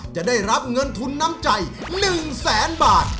จะได้รับเงินทุนน้ำใจ๑แสนบาท